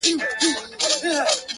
سیاه پوسي ده ـ خاوري مي ژوند سه ـ